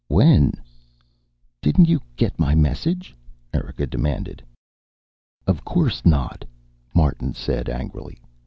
"When?" "Didn't you get my message?" Erika demanded. "Of course not," Martin said, angrily.